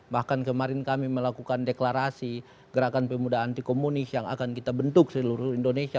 bahkan kemarin kami melakukan deklarasi gerakan pemuda anti komunis yang akan kita bentuk seluruh indonesia